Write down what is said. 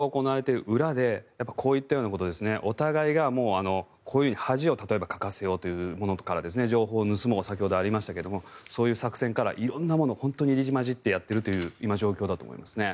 地上で戦闘が行われている裏でこういったようなことですねお互いがこういうふうに恥をかかせようというものから情報を盗もうと先ほどありましたけどもそういう作戦から色んなものが本当に入り混じってやっている今、状況だと思いますね。